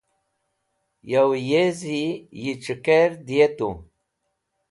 yoway yezi yi c̃hikair diyatu